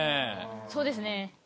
そうですね。